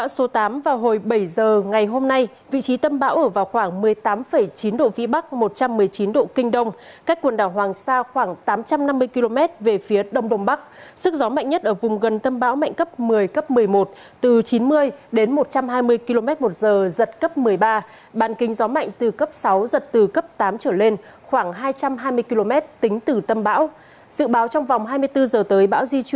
xin chào và hẹn gặp lại